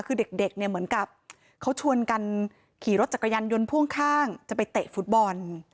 คือเด็กเนี่ยเหมือนกับเขาชวนกันขี่รถจักรยานยนต์พ่วงข้างจะไปเตะฟุตบอล